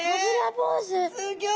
すギョい！